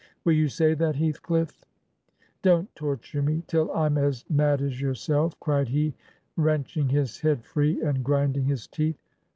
Will you say that, HeathclifiF?' 'Don't torture me till I'm as mad as yourself,' cried he, wrenching his head free and grinding his teeth.